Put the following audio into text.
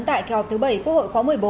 tại kế hợp thứ bảy quốc hội khóa một mươi bốn